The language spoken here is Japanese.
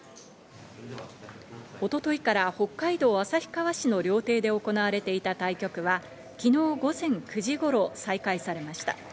一昨日から北海道旭川市の料亭で行われていた対局は、昨日午前９時頃、再開されました。